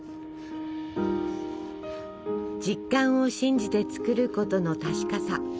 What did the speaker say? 実感を信じて作ることの確かさ。